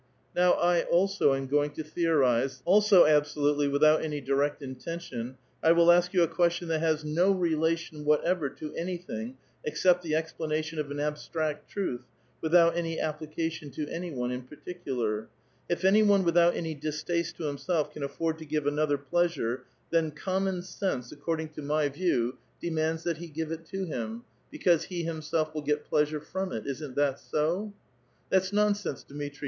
Now I also am going to theorize, also absolutely without any direct intention, I will ask you a question that has no relation, whatever to anything except the explanation of an abstract truth, without any application to any one in particular. If any one without any distaste to himself can afford to give another pleasure, then common sense, according to my view, A VITAL QUESTION. 251 demands that he give it to him, because he himself will get pleasure from it ; isn't that so ?"'*' That*8 nonsense, Dmitri